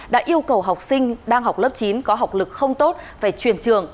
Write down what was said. đã yêu cầu học sinh đang học lớp chín có học lực không tốt phải chuyển trường